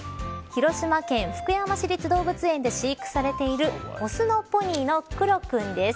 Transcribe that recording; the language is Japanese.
広島県福山市立動物園で飼育されているオスのポニーのクロ君です。